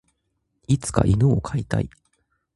いつか犬を飼いたい。